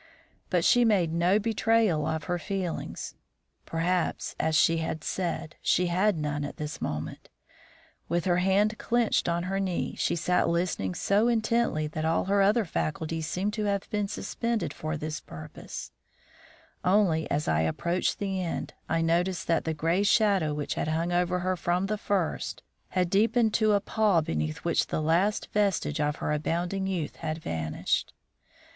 But she made no betrayal of her feelings; perhaps, as she had said, she had none at this moment. With her hand clenched on her knee, she sat listening so intently that all her other faculties seemed to have been suspended for this purpose; only, as I approached the end, I noticed that the grey shadow which had hung over her from the first had deepened to a pall beneath which the last vestige of her abounding youth had vanished.